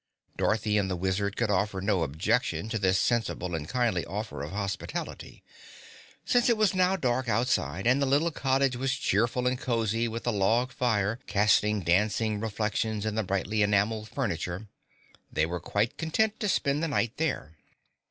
Dorothy and the Wizard could offer no objection to this sensible and kindly offer of hospitality. Since it was now quite dark outside, and the little cottage was cheerful and cozy with the log fire casting dancing reflections in the brightly enameled furniture, they were quite content to spend the night there.